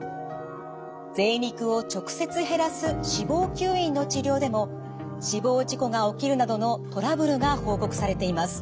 ぜい肉を直接減らす脂肪吸引の治療でも死亡事故が起きるなどのトラブルが報告されています。